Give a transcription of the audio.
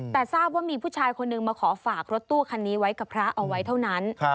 แต่ทราบว่ามีผู้ชายคนหนึ่งมาขอฝากรถตู้คันนี้ไว้กับพระเอาไว้เท่านั้น